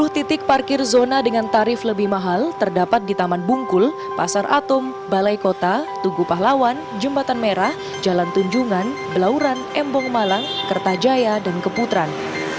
sepuluh titik parkir zona dengan tarif lebih mahal terdapat di taman bungkul pasar atum balai kota tugu pahlawan jembatan merah jalan tunjungan belauran embong malang kertajaya dan keputran